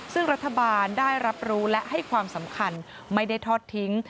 ซึ่งรัฐบาลได้รับรู้และให้ความสำคัญไม่ได้ทอดทิ้ง